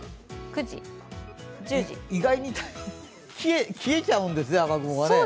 意外に消えちゃうんですね、雨雲がね。